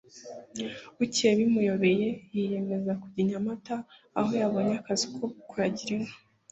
bukeye bimuyoboye yiyemeza kujya i Nyamata aho yabonye akazi ko kuragira inka